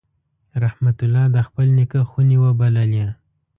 رحمت الله د خپل نیکه خونې وبللې.